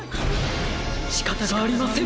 しかたがありません！